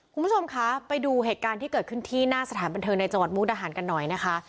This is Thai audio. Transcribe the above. คุณผู้ชมคะไปดูเหตุการณ์ที่เกิดขึ้นที่หน้าสถานบันเทิงในจังหวัดมุกดาหารกันหน่อยนะคะ